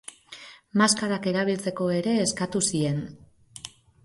Maskarak erabiltzeko ere eskatu zien.